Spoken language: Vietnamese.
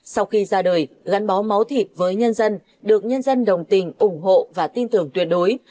sau khi ra đời gắn bó máu thịt với nhân dân được nhân dân đồng tình ủng hộ và tin tưởng tuyệt đối